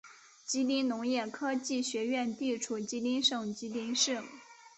吉林农业科技学院地处吉林省吉林市。